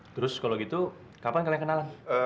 terus kalau gitu kapan kalian kenalan